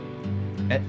えっ？